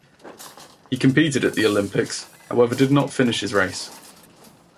He competed at the Olympics however did not finish his race.